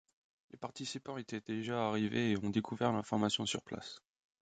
Les participants étaient déjà arrivés et ont découvert l'information sur place.